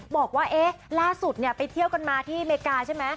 บอกว่าเอ๊ะล่าสุดไปเที่ยวกันมาที่อเมริกาใช่ไหม